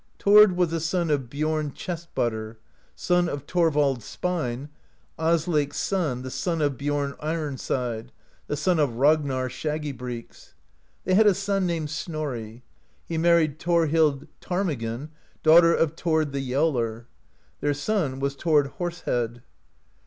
Tliord was a son of Biorn Chest butter, son of Thorvald Spine, Asleik's son, the son of Biom Iron side, the son of Ragnar Shagg}^'breeks. They had a son named Snorri. He married Thorhild Ptarmi gan, daughter of Thord the Yellen Their son was Thord Horse head.